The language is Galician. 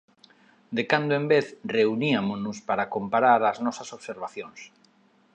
De cando en vez reuniámonos para comparar as nosas observacións.